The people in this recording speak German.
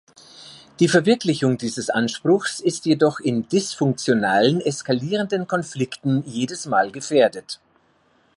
Die Verwirklichung dieses Anspruchs ist jedoch in dysfunktionalen, eskalierenden Konflikten jedes Mal gefährdet.